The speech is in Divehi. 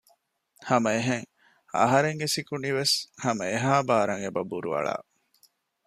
ހަމައެހެން އަހަރެންގެ ސިކުނޑިވެސް ހަމަ އެހާ ބާރަށް އެބަ ބުރުއަޅަ